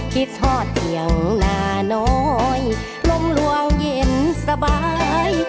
พริกทอดเที่ยงหนาน้อยลมร่วงเย็นสบาย